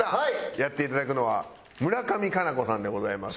やっていただくのは村上佳菜子さんでございます。